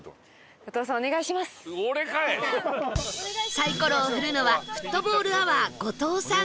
サイコロを振るのはフットボールアワー後藤さん